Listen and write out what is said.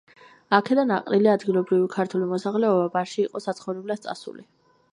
აქედან აყრილი ადგილობრივი ქართული მოსახლეობა ბარში იყო საცხოვრებლად წასული.